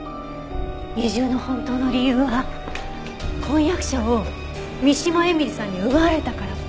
移住の本当の理由は婚約者を三島絵美里さんに奪われたから。